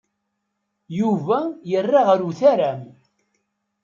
Yuba yerra ɣer utaram.